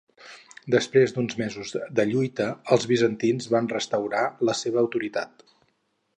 Després d'uns mesos de lluita els bizantins van restaurar la seva autoritat.